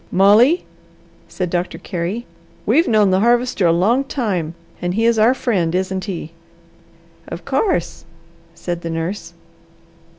"Molly," said Doctor Carey, "we've known the Harvester a long time, and he is our friend, isn't he?" "Of course!" said the nurse.